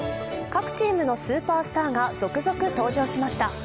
各チームのスーパースターが続々登場しました。